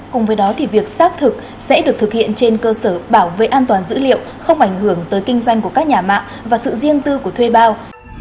cùng với đó thì việc xác thực sẽ được thực hiện trên cơ sở bảo vệ an toàn dữ liệu không ảnh hưởng tới kinh doanh của các nhà mạng và sự riêng tư của thuê bao